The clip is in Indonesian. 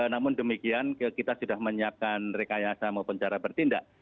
namun demikian kita sudah menyiapkan rekayasa maupun cara bertindak